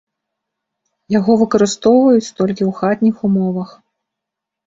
Яго выкарыстоўваюць толькі ў хатніх умовах.